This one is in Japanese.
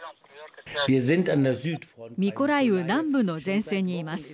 ミコライウ南部の前線にいます。